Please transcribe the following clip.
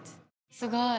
すごい！